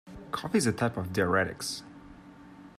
Coffee is a type of Diuretics.